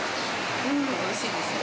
おいしいですよ。